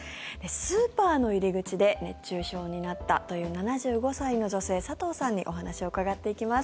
スーパーの入り口で熱中症になったという７５歳の女性、佐藤さんにお話を伺っていきます。